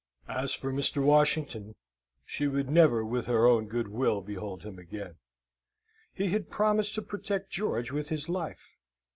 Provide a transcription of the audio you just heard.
As for Mr. Washington, she would never with her own goodwill behold him again. He had promised to protect George with his life.